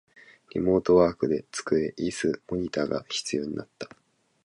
リモートワークで机、イス、モニタが必要になった